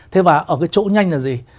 thế và ở cái chỗ nhanh là gì